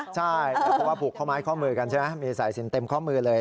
ใช่เพราะว่าผูกข้อไม้ข้อมือกันใช่ไหมมีสายสินเต็มข้อมือเลย